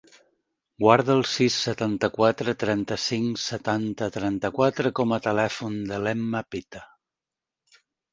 Guarda el sis, setanta-quatre, trenta-cinc, setanta, trenta-quatre com a telèfon de l'Emma Pita.